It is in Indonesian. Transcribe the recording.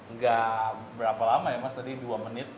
nggak berapa lama ya mas tadi dua menit